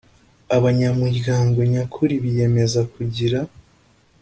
abanyamuryango nyakuri biyemeza kugira